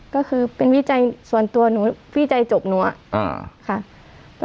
ก็คือเป็นวิจัยส่วนตัวหนูพี่ใจจบหนูอะค่ะ